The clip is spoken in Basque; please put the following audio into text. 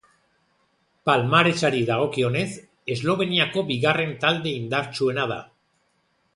Palmaresari dagokionez Esloveniako bigarren talde indartsuena da.